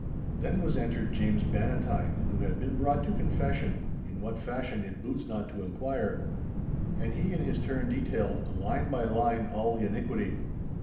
Then was entered James Bannatyne, who had been brought to confession (in what fashion it boots not to inquire), and he in his turn detailed, line by line, all the iniquity.